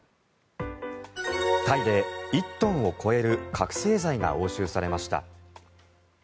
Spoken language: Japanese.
タイで１トンを超える覚醒剤が押収されました。